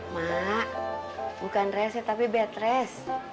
mak bukan reseh tapi bedres